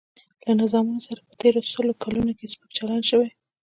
له نظامونو سره په تېرو سلو کلونو کې سپک چلن شوی.